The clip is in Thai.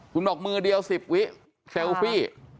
คุณบอกมือเดียว๑๐วิเซลฟี่